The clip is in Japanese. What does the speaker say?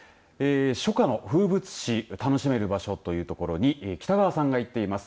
初夏の風物詩楽しめる場所という所に北川さんが行っています。